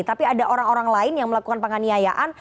tapi ada orang orang lain yang melakukan penganiayaan